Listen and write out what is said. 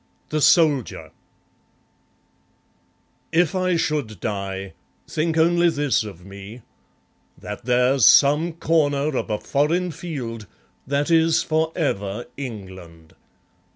The Soldier If I should die, think only this of me: That there's some corner of a foreign field That is for ever England.